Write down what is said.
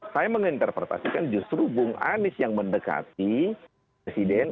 saya menginterpretasikan justru bung anies yang mendekati presiden